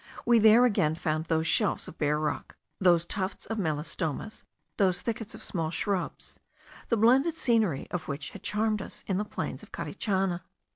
We there again found those shelves of bare rock, those tufts of melastomas, those thickets of small shrubs, the blended scenery of which had charmed us in the plains of Carichana.